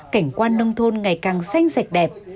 cảnh quan nông thôn ngày càng xanh sạch đẹp